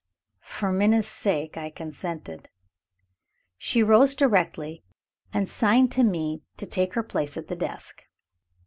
For Minna's sake, I consented. She rose directly, and signed to me to take her place at the desk.